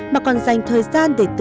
mà còn dành thời gian để tự tìm hiểu